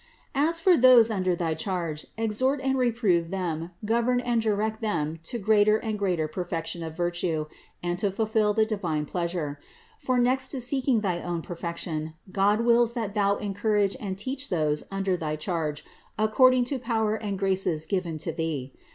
671. As for those under thy charge, exhort and reprove them, govern and direct them to greater and greater per fection of virtue and to fulfill the divine pleasure. For next to seeking thy own perfection, God wills that thou encourage and teach those under thy charge according to power and graces given to thee.